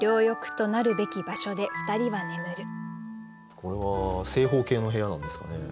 これは正方形の部屋なんですかね。